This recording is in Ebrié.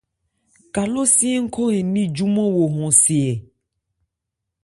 Kalósi ń khɔ an ní júmán wo hɔn see e ?